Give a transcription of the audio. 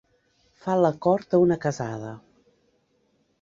Fa la cort a una casada.